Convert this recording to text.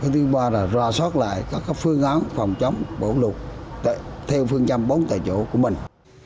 thứ ba là ròa soát lại các phương án phòng chống bão lụt theo phương châm bốn tài chủ của mình